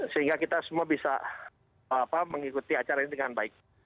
sehingga kita semua bisa mengikuti acara ini dengan baik